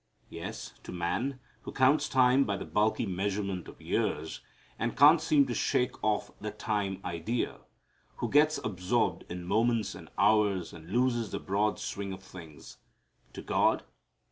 Yes to man, who counts time by the bulky measurement of years, and can't seem to shake off the time idea; who gets absorbed in moments and hours and loses the broad swing of things. To God?